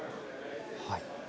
はい。